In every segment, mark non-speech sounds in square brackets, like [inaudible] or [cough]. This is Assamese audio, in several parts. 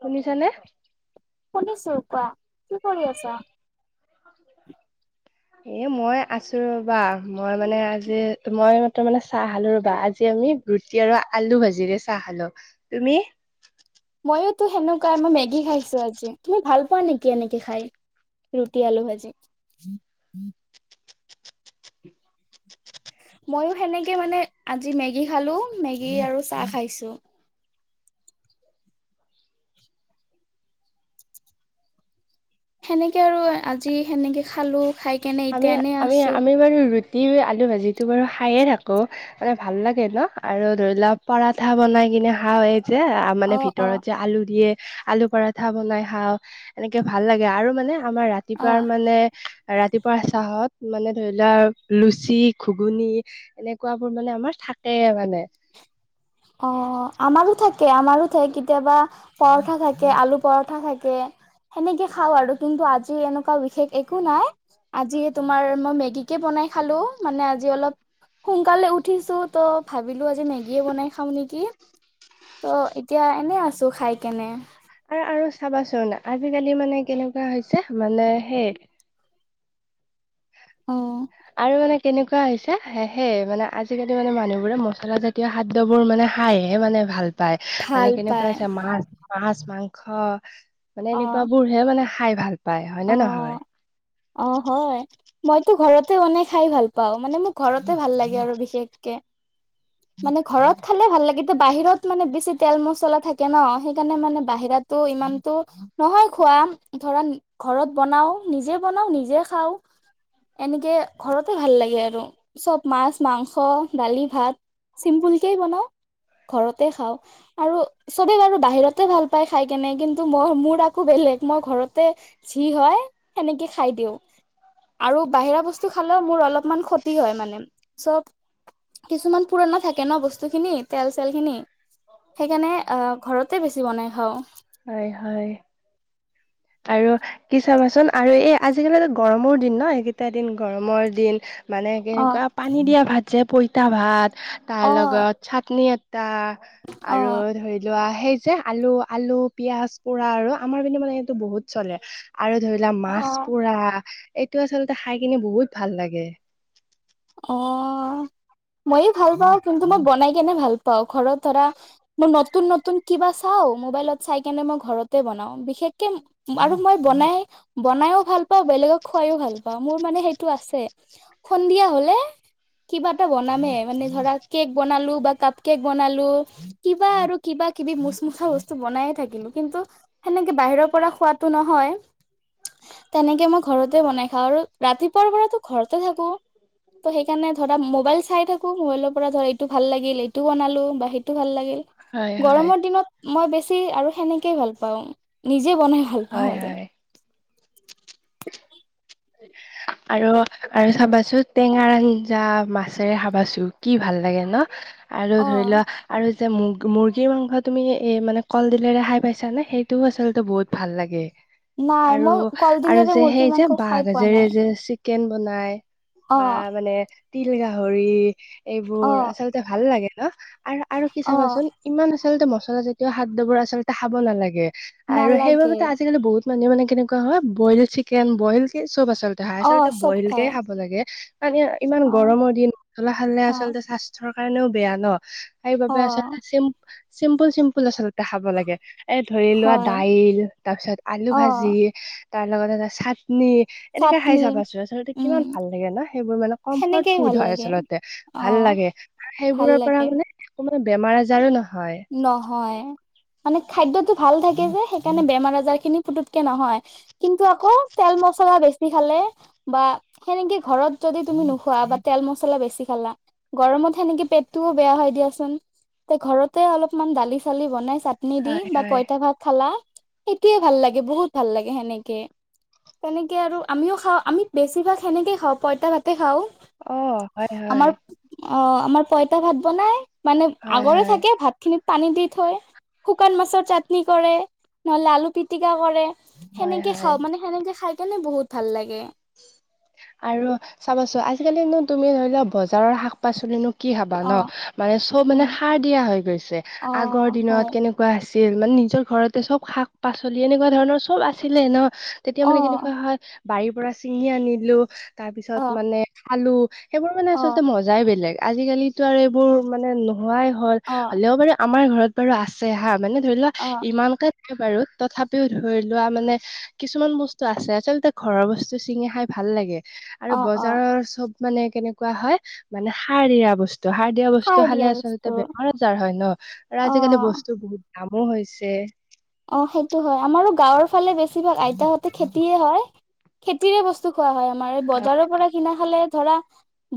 শুনিছানে। শুনিছো কোৱা। কি কৰি আছা? এ মই আছো ৰ'বা। মই মানে আজি মই এইমাত্ৰ মানে চাহ খালো ৰ'বা। আজি আমি ৰুটি আৰু আলু ভাজিৰে চাহ খালো। তুমি? ময়োটো সেনেকুৱা মই মেগী খাইছো আজি। তুমি ভাল পোৱা নেকি এনেকে খাই? ৰুটি, আলু ভাজি। ময়ো সেনেকে মানে আজি মেগী খালো, মেগী আৰু চাহ খাইছো। সেনেকে আৰু আজি সেনেকে খালো। খাই কেনে আমি এতিয়া এনে আছো। [unintelligible] [unintelligible] আলু ভাজিটো বাৰু খায়ে থাকো। মানে ভাল লাগে ন আৰু ধৰি লোৱা পৰাঠা বনাই কিনে খাওঁ এই যে আ মানে অ অ ভিতৰত যে আলু দিয়ে। আলু পৰাঠা বনাই খাওঁ। এনেকে ভাল লাগে আৰু মানে আমাৰ অ ৰাতিপুৱা নে ৰাতিপুৱা চাহত মানে ধৰি লোৱা লুচি, ঘুগুনি এনেকুৱাবোৰ মানে আমাৰ থাকে মানে। অ, আমাৰো থাকে, আমাৰো থা কেতিয়াবা পৰঠা থাকে, আলু পৰঠা থাকে। সেনেকে খাওঁ আৰু কিন্তু আজি এনেকুৱা বিশেষ একো নাই। আজি তোমাৰ মই মেগীকে বনাই খালো। মানে আজি অলপ সোনকালে উঠিছো ত ভাবিলো আজি মেগীয়ে বনাই খাওঁ নেকি। ত এতিয়া এনে আছো খাই কেনে। আৰ আৰু চাবাচোন আজি-কালি মানে কেনেকুৱা হৈছে মানে সেই অ। আৰু মানে কেনেকুৱা হৈছে সে সেই মানে আজি-কালি মানে মানুহবোৰে মছলা জাতীয় খাদ দ্যবোৰ মানে খাইহে মানে ভাল পাই ভাল মানে কেনেকুৱা পায় হৈছে মাছ, মাছ, মাংস অ মানে এনেকুৱাবোৰ হে মানে খাই ভাল পায়, অ হয়নে নহয়? অ হয়। মইতো ঘৰতে বনাই খাই ভাল পাঁও। মানে মোক ঘৰতে ভাল লাগে আৰু বিশেষকে। [inaudible] মানে ঘৰত খালে ভাল লাগেটো। বাহিৰত মানে বেছি তেল, মছলা থাকে ন। সেইকাৰণে মানে বাহিৰত তো ইমানতো নহয় খোৱা ধৰা [unintelligible] ঘৰত বনাওঁ। নিজে বনাওঁ, নিজে খাওঁ। এনেকে ঘৰতে ভাল লাগে আৰু চব মাছ, মাংস, দালি, ভাত। চিম্পুলকেই বনাওঁ ঘৰতে খাওঁ আৰু চবে বাৰু বাহিৰতে ভাল পাই খাই কেনে, কিন্তু মই মোৰ আকৌ বেলেগ। মই ঘৰতে যি হয় সেনেকে খাই দিওঁ আৰু বাহিৰা বস্তু খালেও মোৰ অলপমান খত তি হয় মানে চব কিছুমান পুৰণা থাকে ন বস্তুখিনি, তেল-চেলখিনি। সেইকাণে আ ঘৰতে বেছি বনাই খাওঁ। হয়, হয়। আৰু কি চাবাচোন আৰু এই আজি-কালিতো গৰমৰ দিন ন? এইকেইটা দিন গৰমৰ দিন। মানে অ', কেনেকুৱা পানী দিয়া ভাত যে পঁইতা ভাত, অ', তাৰ লগত চাটনি এটা আৰু অ', ধৰি লোৱা সেই যে আলু, আলু, পিয়াঁজ পোৰা আৰু আমাৰ পিনে মানে টো বহুত চলে আৰু ধৰি লোৱা মাছ অ', পুৰা এইটো আচলতে খাই কিনে বহুত ভাল লাগে। অ', মইও ভাল পাওঁ, কিন্তু মই বনাই কেনে ভাল পাওঁ ঘৰত ধৰা মই নতুন-নতুন কিবা চাঁও, মোবাইলত চাই কেনে মই ঘৰতে বনাইও। বিশেষকে আৰু মই বনাই বনাইও ভাল পাওঁ, বেলেগক খুৱাইও ভাল পাওঁ, মোৰ মানে সেইটো আছে। সন্ধিয়া হলে তে কিবা এটা বনামে মানে ধৰা কে'ক বনালো বা কাপ কে'ক বনালো। কিবা আৰু কিবা কিবি মোচমোচা বস্তু বনাইে থাকিলোঁ, কিন্তু সেনেকে বাহিৰৰ পৰা খোৱাতো নহয়। তেনেকে মই ঘৰতে বনাই খাঁও আৰু ৰাতিপুৱাৰ পৰাতো ঘৰতে থাকোঁ। ত' সেইকাৰণে ধৰা মোবাইল চাই থাকোঁ, মোবাইলৰ পৰা ধৰা এইটো ভাল লাগিল এইটো বনালো বা সেইটো ভাল লাগিল। হয় হয় গৰমৰ দিনত মই বেছি আৰু সেনেকেই ভাল পাওঁ, নিজে বনাই ভাল হয় পাওঁ আৰু। হয় [unintelligible] আৰু-আৰু চাবাচোন টেঙাৰ আঞ্জা মাছেৰে হাবাচোন, কি ভাল লাগে ন? আৰু অ ধৰি লৱা আৰু যে মূৰ্গ মুৰ্গী মাংস তুমি এ এই মানে কলডিলেৰে খাই পাইছানে? সেইটোও আচলতে বহুত ভাল লাগে। নাই মই আৰু-আৰু কলডিলেৰে যে মুৰ্গীৰ সেই যে মাংস খাই পোৱা বাঁহগাজেৰে নাই যে চিকেন বনাই অ বা মানে তিল গাহৰি অ এইবোৰ আচলতে ভাল লাগে ন? আৰু-আৰু কি অ চাবাচোন ইমান আচলতে মচলা জাতীয় খাদ্য বোৰ আচলতে খাব নালাগে, আৰু নালাগে সেইবাবেটো আজিকালি বহুত মান-মানে কেনেকুৱা হয় বইল চিকেন বইল কে চব আচলতে খাই অ আচল্ততে চব বইল কে খাই খাব লাগে। মানে ইমান অ গৰমৰ দিন মছলা খালে অ আচলতে স্বাস্থ্যৰ কাৰণেও বেয়া ন? হেই অ বাবে আচলতে চিম্প-চিম্পল-চিম্পল আচলতে টা খাব লাগে। এ ধৰি লোৱা হয় দাইল তাৰ পিছত আলু অ ভাজি তাৰ লগত এটা চাটনি এনেকে খাই চাটনি চাবাছোন আচলতে উম কিমান ভাল লাগে ন? সেইবোৰ মানে কমফৰ্ট সেনেকেই ভাল ফুড হয় লাগে আচলতে। অ ভাল লাগে আৰু ভাল সেইবোৰৰ পৰা লাগে মানে তোমাৰ বেমাৰ আজাৰো নহয়। অ', হয় মানে খাদ্যতো ভাল থাকে যে সেইকাৰণে বেমাৰ আজাৰ খিনি পুতকে নহয়, কিন্তু আকৌ তেল মচলা বেছি খালে বা সেনেকে ঘৰত যদি তুমি নোখোৱা বা তেল মছলা বেছি খালা গৰমত সেনেকে পেটটোও বেয়া হয় দিয়াচোন। তে ঘৰত তে অলপমান দালি চালি বনাই চাটনি দি হয় বা হয় পঁইতা ভাত খালা সেইটোৱে ভাল লাগে বহুত ভাল লাগে সেনেকে। তেনেকে আৰু আমিও খাওঁ আমি বেছিভাগ সেনেকে খাওঁ পইতা ভাতে খাওঁ। অ হয় হয় আমাৰ অ', আমাৰ পইতা ভাত বনাই, মানে হয় আগৰে হয় থাকে ভাতখিনিত পানী দি থৈ, শুকান মাছৰ চাটনি কৰে নহ'লে আলু পিটিকা কৰে। হয় সেনেকে হয় খাওঁ। মানে সেনেকে খাই কেনে বহুত ভাল লাগে। আৰু চাবাচোন আজিকালি মুৰ তুমি ধৰি লোৱা বজাৰৰ শাক পাচলিনো কি খাবা অ ন? মানে চব মানে উম সাৰ দিয়া হৈ গৈছে। অ আগৰ হয় দিনত কেনেকা এনেকুৱা আছিল মানে নিজৰ ঘৰতে চব শাক পাচলি এনেকুৱা ধৰণৰ চব আছিলে ন? তেতিয়া অ মানে কেনেকুৱা হয়, বাৰীৰ পৰা ছিঙি আনিলোঁ, তাৰ অ পিছত মানে খালোঁ সেইবোৰ মানে অ আচলতে মজাই বেলেগ আজিকালিটো আৰু এইবোৰ মানে নোহোৱাই হ'ল। অ হ'লেও বাৰু আমাৰ ঘৰত বাৰু আছে হা, মানে ধৰি লোৱা অ ইমানকে নাথাকে বাৰু। তথাপিও ধৰি লোৱা মানে কিছুমান বস্তু আছে, আচলতে ঘৰৰ বস্তু চিঙি খাই ভাল লাগে অ আৰু অ বজাৰৰ চব মানে কেনেকুৱা হয় মানে সাৰ দিয় বস্তু সাৰ দিয়া বস্তু দিয়া খালে বস্তু আচলতে বেমাৰ আজাৰ হয় ন? আৰু অ আজিকালি বস্তু বহুত দামো হৈছে। অ', সেইটো হয়। আমাৰো গাঁৱৰ ফালে বেছিভাগ আইতাহঁতে খেতিয়ে হয়। খেতিৰে বস্তু খোৱা হয়। আমাৰ বজাৰৰ পৰা কিনা খালে ধৰা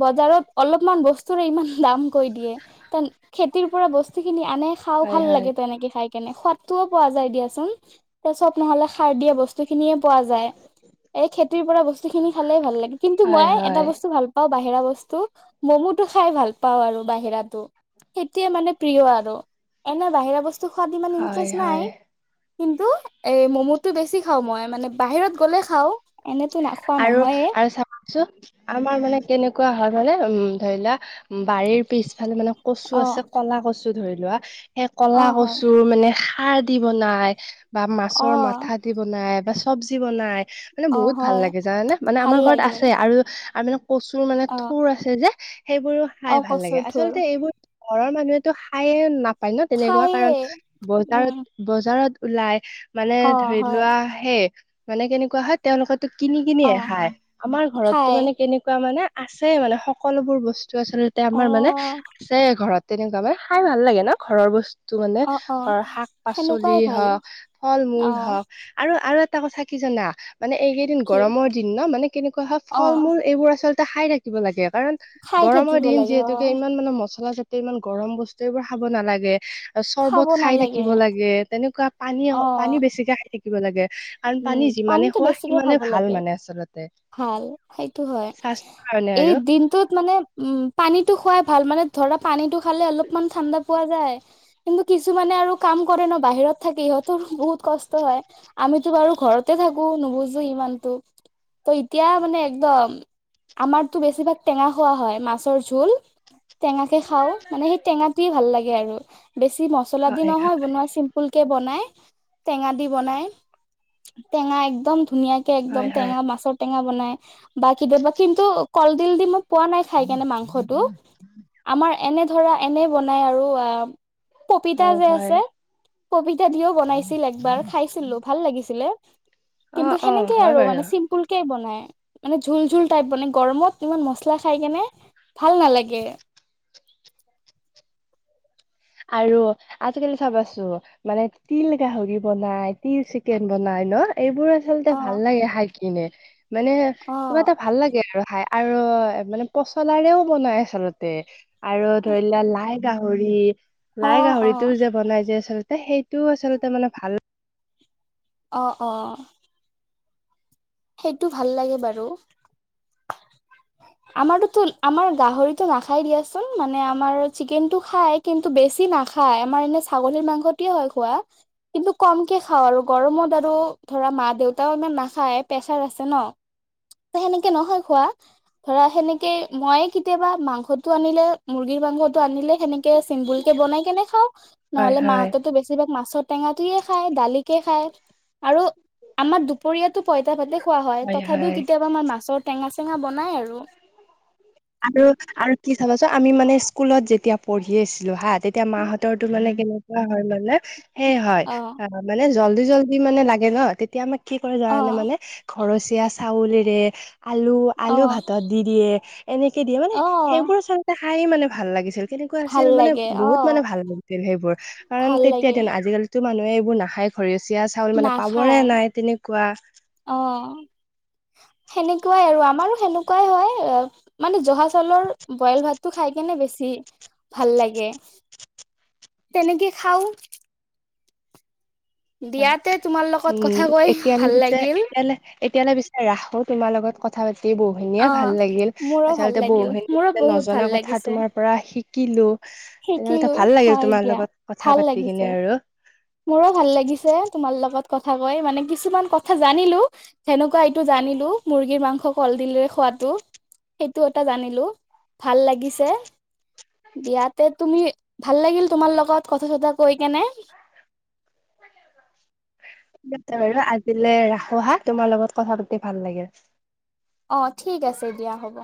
বজাৰত অলপমান বস্তুৰে ইমান দাম কৈ দিয়ে। খেতিৰ পৰা বস্তুখিনি আনে খাওঁ হয় ভাল হয় লাগে তেনেকে খাই কেনে, সোৱাদটো পোৱা যায় দিয়াচোন। ত চব নহলে সাৰ দিয়া বস্তু খিনিয়ে পোৱা যায়। এই খেতিৰ পৰা বস্তু খিনি খালেই ভাল লাগে কিন্তু হয় মই এটা হয় বস্তু ভাল পা অ', বাহিৰা বস্তু, ম'মটো খাই ভাল পাওঁ আৰু বাহিৰাতো। সেইটোৱে মানে প্ৰিয় আৰু এনে বাহিৰা বস্তু খোৱাত ইমান হয় ইন্টাৰেষ্ট হয় নাই। কিন্তু এ ম'ম'টো বেছি খাওঁ মই, মানে বাহিৰত গ'লে খাওঁ। এনেতো নাখোৱা নহয়ে আৰু-আৰু চাবা চ আমাৰ মানে কেনেকুৱা হয় মানে উম, ধৰি লোৱা উম, বাৰীৰ পিছফালে মানে কচু অ আছে ক'লা কচু ধৰি লোৱা, সেই অ কলা হয় কচুৰ মানে সাৰ দি বনাই, বা অ মাছৰ মাথা দি বনাই, বা চব্জি বনাই, মানে অ বহুত ভাল হয় লাগে জানানে মানে ভাল আমাৰ ঘৰত লাগে আছে আৰু-আৰু মানে কচুৰ মানে অ থুৰ আছে যে সেইবোৰো খাই অ ভাল লাগে কচুৰ থোৰ আচলতে এইবোৰ ঘৰৰ মানুহেতো খায়ে নাপায় ন তেনেকুৱা? খায়ে কাৰণ উম বজাৰত বজাৰত ওলাই মানে অ ধৰি হয় লোৱা হে মানে কেনেকুৱা হয় তেওঁলোকৰ কিনি-কিনি অ নেখাই। আমাৰ ঘৰতটো খাই মানে কেনেকুৱা মানে আছে মানে সকলোবোৰ বস্তু সেইটো আচলতে অ আমাৰ মানে আছে ঘৰত তেনেকুৱা মানে খাই ভাল লাগে ন? ঘৰৰ বস্তু টো মানে অ অ ঘৰৰ শাক পাচলি সেনেকুৱাই ভাল হওঁক, ফল অ মূল হওঁক, আৰু-আৰু এটা এটা কথা কি জানা? মানে এইকেইদিন কি গৰমৰ দিন ন মানে কেনেকুৱা হয় অ ফল মূল এইবোৰ আচলতে খাই থাকিব লাগে কাৰণ খাই গৰমৰ থাকিব দিন লাগে অ যিহেতুকে ইমান মানে মচলা ইমান গৰম বস্তু এইবোৰ খাব নালাগে। খাব চৰ্বত খাই নালাগে থাকিব লাগে তেনেকুৱা অ পানী-পানী বেছিকে খাই থাকিব লাগে। অ', উম পানী যিমানে পানীটো খোৱা বেছিকে মানে খাব ভাল লাগে মানে আচলতে। ভাল সেইটো হয় স্বাস্থৰ কাৰণে এই আৰু। দিনটোত মানে উম পানীটো খুৱাই ভাল মানে ধৰা পানীটো খালে অলপমান ঠাণ্ডা পোৱা যায়। কিন্তু কিছুমানে আৰু কাম কৰে ন বাহিৰত থাকে ইহঁতৰ বহুত কষ্ট হয়, আমিত বাৰু ঘৰতে থাকোঁ, নুবুজো ইমানতো ত এতিয়া মানে একদম আমাৰতো বেছিভাগ টেঙা খোৱা হয়, মাছৰ জোল। টেঙাকে খাও মানে সেই টেঙটোয়ে ভাল লাগে আৰু বেছি মছলা দি হয় নহয় বনোৱা চি্প ফুলকে বনায়, টেঙা দি বনায়। টেঙা একদম ধুনীয়াাকে একদম হয় হয় টেঙা মাছত ঔটেঙা বনাই বা কেতিয়াবা কিন্তু কলডিল দি মই পোৱা নাই খাই কেনে মাংস হেতু। আমাৰ এনে ধৰা এনে বনাই আৰু আ পপিতা হয় যে হয় আছে? পপিতা দিও বনাইছিল একবাৰ খাইছিলোঁ, ভাল লাগিছিল। [unintelligible] অ কিন্তু অ হেনেকেই হয় আৰু বাৰু মানে চিম্পুল কৈ বনাই। মানে জোল-জোল টাইপ বনাই গৰমত ইমান মচলা খাই কেনে ভাল নালাগে। আৰু আজিকালি চাবাচোন মানে তিল গাহৰি বনাই, তিল চিকেন বনাই ন? এইবোৰ আচলতে অ ভাল লাগে খাই কিনে মানে অ কিবা এটা ভাল লাগে আৰু খাই আৰু মানে পচলাৰেও বনাই আচলতে। আৰু ধৰি লোৱা লাই গাহৰি, অ লাই অ গাহৰিটোও যে বনাই যোয় আচলতে সেই টোও আচলতে মানে ভাল অ', অ'। সেইটো ভাল লাগে বাৰু। । [inaudible] আমাৰোতো আমাৰ গাহৰিতটো নাখাই দিয়াচোন মানে আমাৰ চিকেন টো খাই কিন্তু বেছি নাখায়, আমাৰ এনে ছাগলীৰ মাংসটে হয় খোৱা। কিন্তু কমকে খাওঁ আৰু গৰমত আৰু ধৰা মা দেউতাও ইমান নাখায়, প্ৰেছাৰ আছে ন? সেনেকে নহয় খোৱা। ধৰা সেনেকে মইে কেতিয়াবা মাংসতো আনিলে মুৰ্গীৰ মাংসতটো আনিলে সেনেকে চিম্বুল কে বনাই কেনে খাওঁ, হয় নহলে হয় মাহত টো বেছিভাগ মাছৰ টেঙাটোয়ে খাই দালিকে খাই। আৰু আমাৰ দুপৰীয়াাতটো পইতা ভাতে খোৱা হয় তথাপিও কেতিয়াবা মই মাছৰ টেঙা চেঙা বনাই আৰু। আৰু-আৰু কি চাবাচোন আমি মানে স্কুলত যেতিয়া পঢ়ি আছিলোঁ হা, তেতিয়া মাহঁতৰ তো মানে কেনে হয় মানে সেই হয়। অ', মানে জল্দি-জল্দি মানে লাগে ন? তেতিয়া আমাক কি কৰে অ জানানে মানে ঘৰচীয়া চাউলেৰে অ আলু-আলু ভাতত দি দিয়ে। এনেকে দিয়ে মানে অ সেইবোৰ আচলতে খায়ে মানে ভাল লাগিছিল। কেনেকুৱা ভাল আছিল মানে লাগে অ বহুত মানে ভাল লাগছিল সেইবোৰ কাৰণ ভাল তেতিয়াৰ লাগে দিন আজিকালি টো মানুহে এইবোৰ নাখায় ঘৰচীয়া চাউল মানে পাবৰে নাখায় নাই তেনেকুৱা অ', সেনেকুৱাই আৰু আমাৰো সেনেকুৱাই হয়, অ মানে জহা চাউলৰ বইল ভাতটো খাই কেনে বেছি ভাল লাগে, তেনেকে খাওঁ দিয়াতে তোমাৰ লগত উম, কথা কৈ এতিয়ালে ভাল তেতিয়া লাগিল এতিয়াললে এতিয়ালৈ পিচাৰে ৰাখোঁ, তোমাৰ লগত কথা পাতিয় বহু ধুনীয়া অ ভাল লাগিল। মোৰো ভাল আচল্ততে বহু লাগিল মোৰো খিনি বহুত নজনা ভাল কথা লাগিছে তোমাৰ পৰা শিকিলোঁ [unintelligible] শিকিলো ভাল লাগিল হয় তোমাৰ দিয়া লগত কথা ভাল পাতি কিনে লাগিছে আৰু। মোৰো ভাল লাগিছে তোমাৰ লগত কথা কৈ মানে কিছুমান কথা জানিলোঁ। সেনেকুৱা এইটো জনাইলোঁ, মুৰ্গীৰ মাংস কলডিলেৰে খোৱাটো। সেইটো এটা জানিলোঁ, ভাল লাগিছে। দিয়াতে তুমি ভাল লাগিল তোমাৰ লগত কথা- চথা কৈ কেনে। তে বাৰু আজিলে ৰাখোঁ হা। তোমাৰ লগত কথা পাতি ভাল লাগিল। অ', ঠিক আছে দিয়া হ'ব।